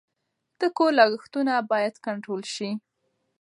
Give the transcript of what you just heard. د کور لګښتونه باید کنټرول شي.